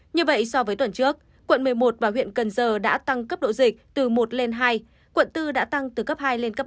như vậy so với tuần trước quận một mươi một và huyện cần giờ đã tăng cấp độ dịch từ một lên hai quận bốn đã tăng từ cấp hai lên cấp bốn